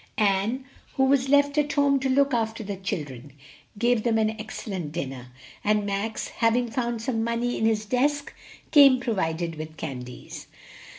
Ann, who was left at home to look after the children, gave them an excellent dinner, and Max, having found some money in his desk, came provided with candies.